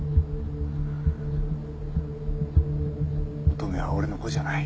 乙女は俺の子じゃない。